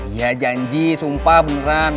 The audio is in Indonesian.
iya janji sumpah beneran